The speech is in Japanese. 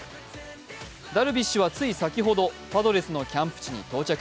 ダルビッシュはつい先ほどパドレスのキャンプ地に到着。